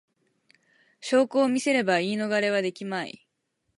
証拠を見せれば言い逃れはできまい